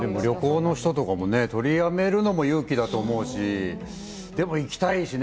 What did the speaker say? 旅行も取りやめるのも勇気だと思うし、でも行きたいしね。